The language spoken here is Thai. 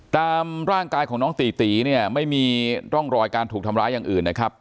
ตามร่างกายของน้องตีตีเนี่ยไม่มีร่องรอยการถูกทำร้ายอย่างอื่นนะครับ